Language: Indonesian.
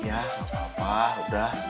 ya gapapa udah